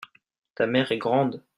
ta mère est grande.